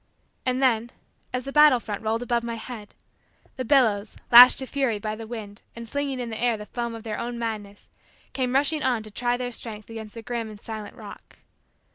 And then, as the battle front rolled above my head, the billows, lashed to fury by the wind and flinging in the air the foam of their own madness, came rushing on to try their strength against the grim and silent rock.